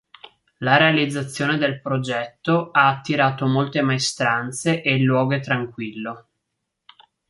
La realizzazione del progetto ha attirato molte maestranze e il luogo è tranquillo.